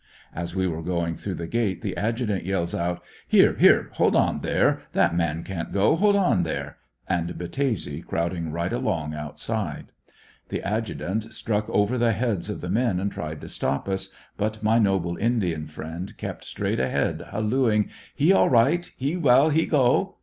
As we were going through the gate the adjutant yells out: "Here, here! hold on there, that man can't go, hold on there!" and Battese crowding right along outside. The adjutant struck over the heads of the men and tried to stop us, but my noble Indian friend kept straight ahead, hallooing: *'He all right, he well, he go!"